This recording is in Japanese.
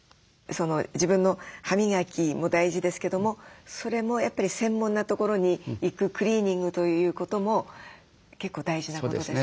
自分の歯磨きも大事ですけどもそれもやっぱり専門な所に行くクリーニングということも結構大事なことですか？